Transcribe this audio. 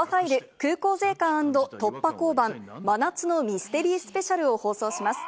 空港税関＆突破交番真夏のミステリースペシャルを放送します。